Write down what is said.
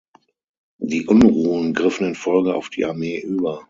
Die Unruhen griffen in Folge auf die Armee über.